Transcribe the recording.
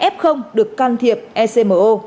một mươi hai f được can thiệp ecmo